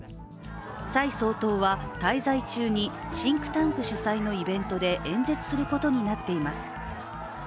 蔡総統は滞在中にシンクタンク主催のイベントで演説することになっています。